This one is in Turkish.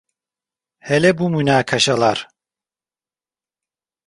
Hele bu münakaşalar.